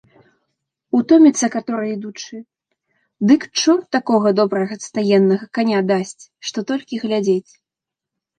Утоміцца каторы ідучы, дык чорт такога добрага стаеннага каня дасць, што толькі глядзець.